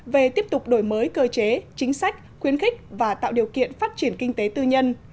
về tiếp tục đổi mới cơ chế chính sách khuyến khích và tạo điều kiện phát triển kinh tế tư nhân